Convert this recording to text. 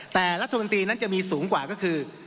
แต่รัฐมนตรีนั้นจะมีสูงกว่าก็คือ